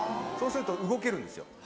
そうすると動けるんですよ。